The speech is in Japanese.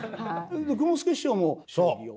雲助師匠も将棋を？